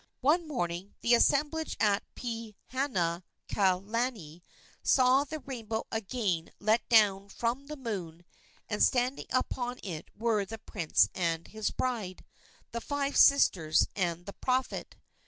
One morning the assemblage at Pihanakalani saw the rainbow again let down from the moon, and standing upon it were the prince and his bride, the five sisters and the prophet.